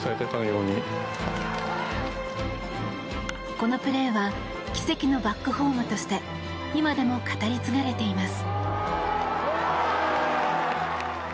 このプレーは奇跡のバックホームとして今でも語り継がれています。